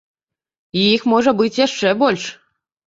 І іх можа быць яшчэ больш.